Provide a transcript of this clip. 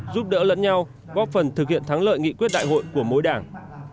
giúp đỡ lẫn nhau góp phần thực hiện thắng lợi nghị quyết đại hội của mỗi đảng